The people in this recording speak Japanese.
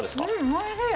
おいしい。